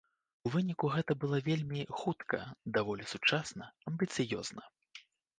У выніку гэта было вельмі хутка, даволі сучасна, амбіцыёзна.